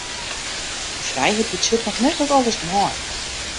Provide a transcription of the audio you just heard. Frijheid betsjut noch net dat alles mei.